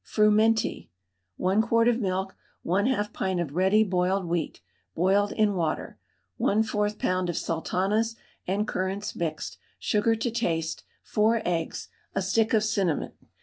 FRUMENTY. 1 quart of milk, 1/2 pint of ready boiled wheat (boiled in water), 1/4 lb. of sultanas and currants mixed, sugar to taste, 4 eggs, a stick of cinnamon.